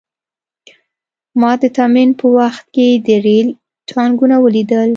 ما د تمرین په وخت کې د ریل ټانکونه ولیدل